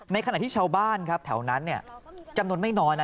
ในขณะที่ชาวบ้านครับแถวนั้น